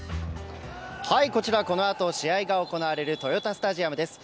こちら、この後試合が行われる豊田スタジアムです。